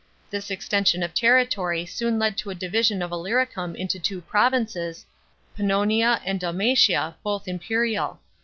This extension of territory soon led to a division of Illyricum into two provinces, Pan nonia and Dalmatia, both imperial.